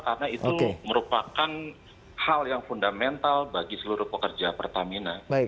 karena itu merupakan hal yang fundamental bagi seluruh pekerja pertamina